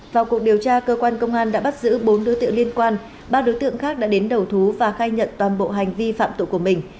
vào cuộc điều tra cơ quan công an đã bắt giữ bốn đối tượng liên quan ba đối tượng khác đã đến đầu thú và khai nhận toàn bộ hành vi phạm tội của mình